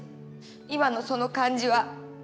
今のその感じは。